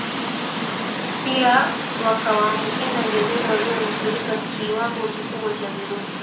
Pia wakawaambukiz ngedere walionusurika kiwango kikubwa cha virusi